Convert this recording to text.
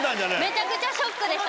めちゃくちゃショックでした